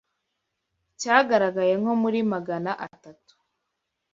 cyagaragaye nko muri magana atatu